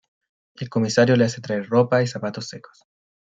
El comisario le hace traer ropa y zapatos secos.